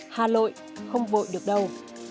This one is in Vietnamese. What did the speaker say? hà nội không vội được đâu